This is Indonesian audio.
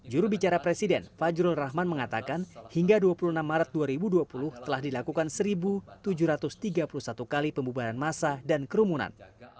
jurubicara presiden fajrul rahman mengatakan hingga dua puluh enam maret dua ribu dua puluh telah dilakukan satu tujuh ratus tiga puluh satu kali pembubaran massa dan kerumunan